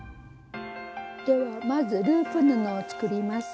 ではまずループ布を作ります。